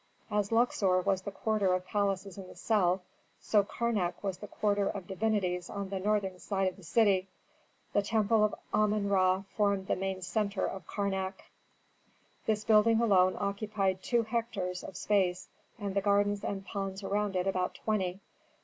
As Luxor was the quarter of palaces in the south, so Karnak was the quarter of divinities on the northern side of the city. The temple of Amon Ra formed the main centre of Karnak. This building alone occupied two hectares of space, and the gardens and ponds around it about twenty.